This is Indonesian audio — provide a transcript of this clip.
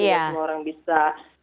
tidak semua orang bisa